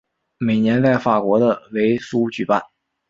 每年在法国的维苏举办。